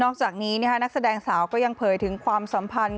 จากนี้นักแสดงสาวก็ยังเผยถึงความสัมพันธ์